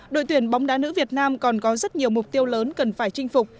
đội tuyển bóng đá nữ việt nam còn có rất nhiều mục tiêu lớn cần phải chinh phục